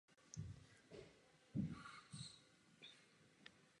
Vláda zavede pružnější konta pracovní doby a umožní její flexibilnější nerovnoměrné rozložení.